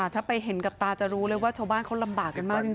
ถ้าไปเห็นกับตาจะรู้เลยว่าชาวบ้านเขาลำบากกันมากจริง